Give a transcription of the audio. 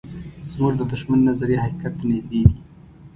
زموږ د دښمن نظریې حقیقت ته نږدې دي.